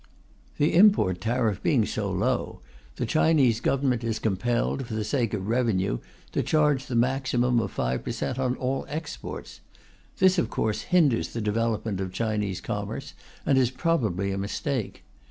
The import tariff being so low, the Chinese Government is compelled, for the sake of revenue, to charge the maximum of 5 per cent, on all exports. This, of course, hinders the development of Chinese commerce, and is probably a mistake.